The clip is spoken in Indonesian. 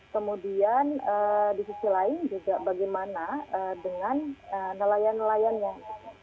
kemudian di sisi lain juga bagaimana dengan nelayan nelayan yang